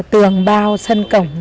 tường bao sân cổng